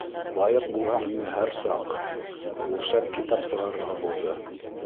Лайыҡ булһаң ине һәр саҡ Ул шәп китап сығарырға булды.